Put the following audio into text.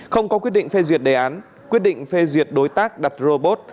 không có quyết định phê duyệt đề án quyết định phê duyệt đối tác đặt robot